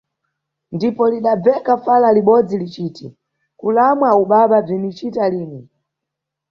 Ndipo lidabveka fala libodzi liciti -kulamwa ubaba – bzinicita lini.